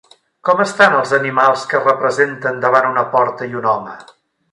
Com estan els animals que es representen davant una porta i un home?